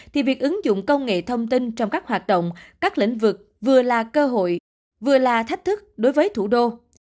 thì việc ứng dụng công nghệ thông tin trong các hoạt động các lĩnh vực vừa là cơ hội vừa là thách thức đối với thủ đô